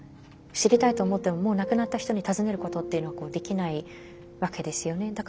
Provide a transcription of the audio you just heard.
知りたいと思ってももう亡くなった人に尋ねることっていうのはできないわけですよね。